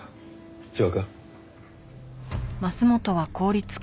違うか？